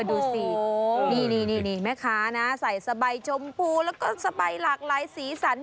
ดูสินี่แม่ค้านะใส่สบายชมพูแล้วก็สบายหลากหลายสีสัน